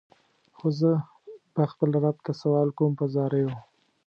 خو زه به خپل رب ته سوال کوم په زاریو.